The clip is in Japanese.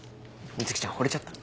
美月ちゃんほれちゃった？